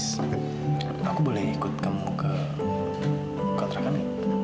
siapa tau ada ruangan yang cocok buat kamu